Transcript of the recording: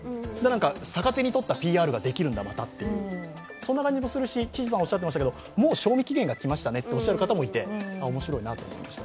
逆手にとったＰＲができるんだなという感じもしますし知事さんがおっしゃっていましたけど、もう賞味期限がきたとおっしゃる方もいて面白いなと思いました。